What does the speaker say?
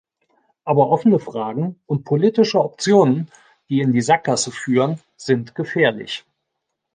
Aber offene Fragen und politische Optionen, die in die Sackgasse führen, sind gefährlich.